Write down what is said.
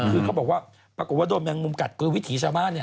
คือเขาบอกว่าปรากฏว่าโดนแมงมุมกัดคือวิถีชาวบ้าน